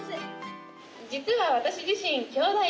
実は私自身「きょうだい」なんです。